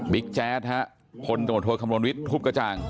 บิ๊กแจ๊ดคนโดยโทษคำลวงวิทย์ทุบกระจ่าง